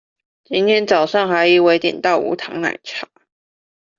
今天早上還以為點到無糖奶茶